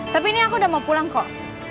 tapi ini aku udah mau pulang kok